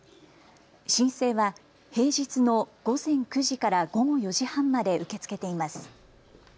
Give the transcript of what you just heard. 申請は平日の午前９時から午後４時半まで受け付けています。